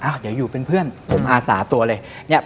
อ้าวเดี๋ยวอยู่เป็นเพื่อนอาสาตัวเลย